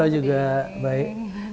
halo juga baik